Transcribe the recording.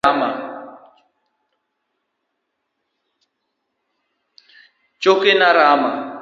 Chokena rama.